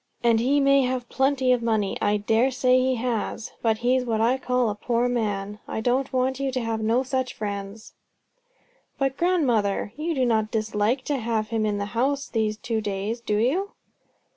And he may have plenty of money I dare say he has; but he's what I call a poor man. I don't want you to have no such friends." "But grandmother, you do not dislike to have him in the house these two days, do you?"